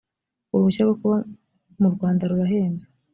uruhushya rwo kuba murwanda rurahenze